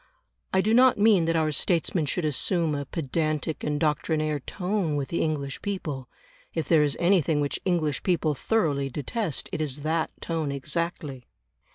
I do not mean that our statesmen should assume a pedantic and doctrinaire tone with the English people; if there is anything which English people thoroughly detest, it is that tone exactly.